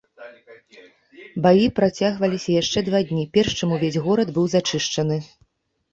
Баі працягваліся яшчэ два дні, перш чым увесь горад быў зачышчаны.